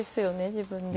自分で。